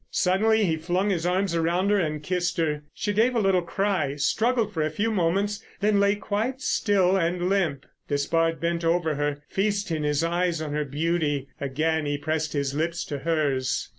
Suddenly he flung his arms around her and kissed her. She gave a little cry, struggled for a few moments, then lay quite still and limp. Despard bent over her, feasting his eyes on her beauty. Again he pressed his lips to hers.